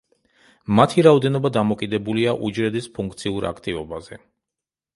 მათი რაოდენობა დამოკიდებულია უჯრედის ფუნქციურ აქტივობაზე.